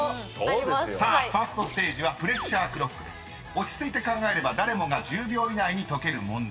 ［落ち着いて考えれば誰もが１０秒以内に解ける問題］